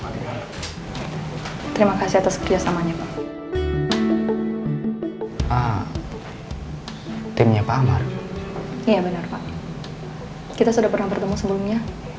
terima kasih atas kerjasamannya timnya pak amar iya benar pak kita sudah pernah bertemu sebelumnya